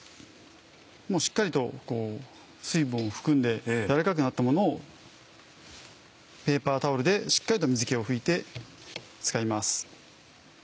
しっかりと水分を含んで軟らかくなったものをペーパータオルでしっかりと水気を拭いて使います。